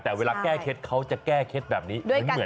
แต่เวลาแก้เคล็ดเขาจะแก้เคล็ดแบบนี้เหมือน